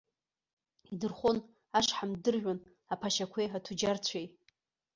Идырхәон, ашҳам ддыржәуан аԥашьақәеи аҭуџьарцәеи.